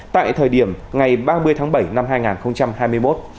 tại thời điểm ngày ba mươi tháng bảy năm hai nghìn hai mươi một